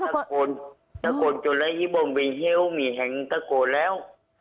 ทะโกนเราก็เลยอยู่บนบนเของแห่งทะโกนครับ